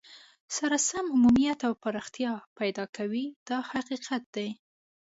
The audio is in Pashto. سره سم عمومیت او پراختیا پیدا کوي دا حقیقت دی.